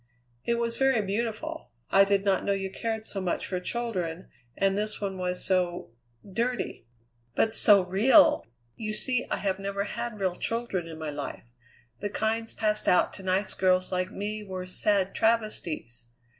"It was very beautiful. I did not know you cared so much for children, and this one was so dirty." "But so real! You see I have never had real children in my life. The kinds passed out to nice girls like me were sad travesties.